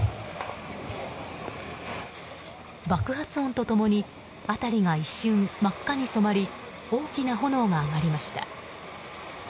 爆発音と共に辺りが一瞬、真っ赤に染まり大きな炎が上がりました。